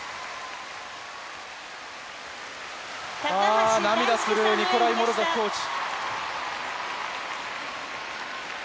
あ涙するニコライ・モロゾフコーチ。